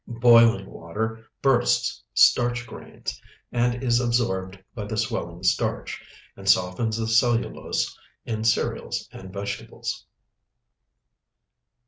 Boiling water bursts starch grains, and is absorbed by the swelling starch, and softens the cellulose in cereals and vegetables.